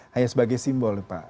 hanya sebagai simbol pak